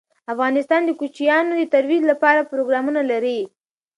افغانستان د کوچیانو د ترویج لپاره پروګرامونه لري.